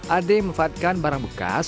ade memfatkan barang bekas